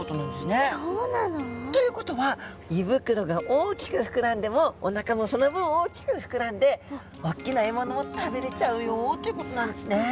そうなの。ということは胃袋が大きく膨らんでもお腹もその分大きく膨らんで大きな獲物も食べれちゃうよっていうことなんですね。